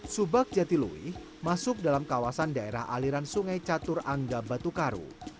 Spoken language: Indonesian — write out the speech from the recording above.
subak jatilui masuk dalam kawasan daerah aliran sungai catur angga batu karu